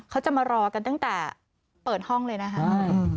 เขาจะมารอกันตั้งแต่เปิดห้องเลยนะคะ